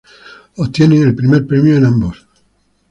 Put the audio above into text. Obtienen el Primer Premio en ambos.